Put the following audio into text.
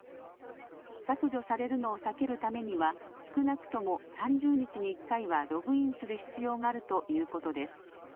削除されるのを避けるためには少なくとも３０日に１回はログインする必要があるということです。